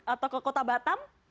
atau ke kota batam